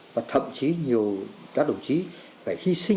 và thậm chí nhiều các đồng chí